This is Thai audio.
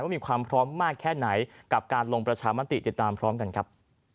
มีความพร้อมมากแค่ไหนกับการลงประชามติติดตามพร้อมกันครับ